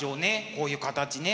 こういう形ね。